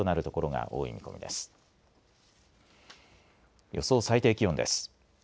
予想最低気温です。